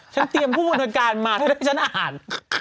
ฉันเตรียมผู้บุญการมาถ้าไม่ได้ฉันอ่าน